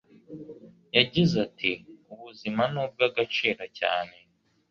yagize ati ubuzima ni ubw'agaciro cyane